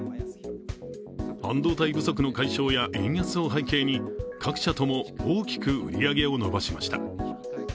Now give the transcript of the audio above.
半導体不足の解消や円安を背景に各社とも、大きく売り上げを伸ばしました。